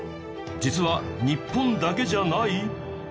実は日本だけじゃない！？